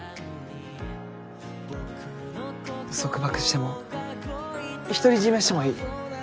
束縛しても独り占めしてもいい。